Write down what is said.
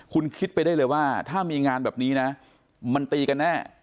คุณคิดไปได้เลยว่าถ้ามีงานแบบนี้นะมันตีกันแน่